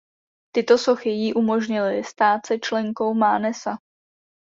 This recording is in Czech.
Tyto sochy jí umožnily stát se členkou Mánesa.